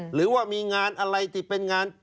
หรือว่ามีงานอะไรที่เป็นงาน